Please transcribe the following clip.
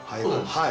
はい。